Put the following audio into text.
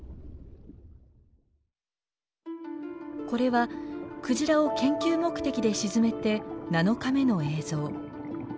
これはクジラを研究目的で沈めて７日目の映像。